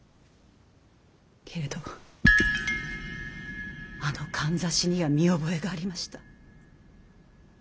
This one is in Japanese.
けれどあのかんざしには見覚えがありました。